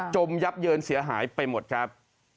มยับเยินเสียหายไปหมดครับ